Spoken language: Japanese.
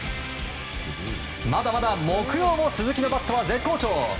まだまだ木曜も鈴木のバットは絶好調。